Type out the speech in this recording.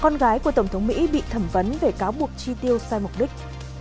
con gái của tổng thống mỹ bị thẩm vấn về cáo buộc chi tiêu sai mục đích